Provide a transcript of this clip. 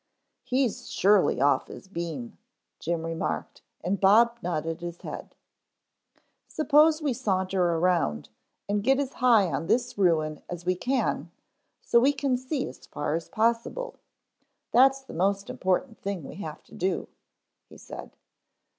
"He's surely off his bean," Jim remarked, and Bob nodded his head. "Suppose we saunter around, and get as high on this ruin as we can so we can see as far as possible. That's the most important thing we have to do," he said.